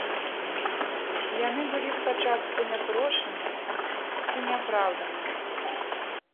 Яны былі спачатку няпрошаныя і неапраўданыя.